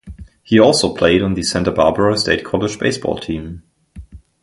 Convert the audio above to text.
He also played on the Santa Barbara State College baseball team.